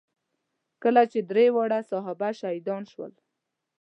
کله چې درې واړه صحابه شهیدان شول.